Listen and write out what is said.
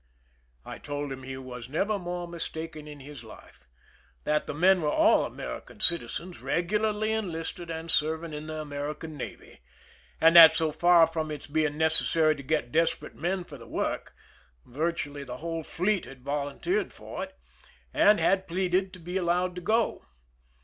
I told him he was never more mis taken in his life— that the men were all American citizens, regularly enlisted and serving in the Amer ican navy, and that, so far from its being necessary to get desperate men for the work, virtually the whole fleet had volunteered for it, and had pleaded to be allowed to go.